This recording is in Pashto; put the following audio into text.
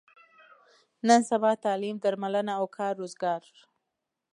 نن سبا تعلیم، درملنه او کار روزګار.